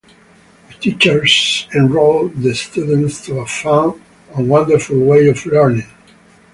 The teachers enroll the students to a fun and wonderful way of learning.